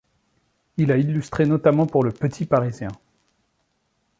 Il a illustré notamment pour Le Petit Parisien.